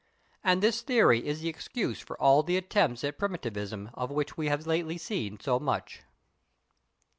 And this theory is the excuse for all the attempts at primitivism of which we have lately seen so much.